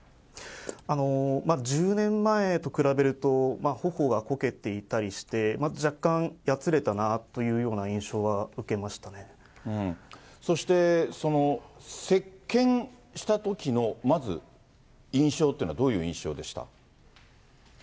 １０年前と比べると、ほおがこけていたりして、若干やつれたなというような印象は受けそして、接見したときのまず印象というのはどういう印象でした？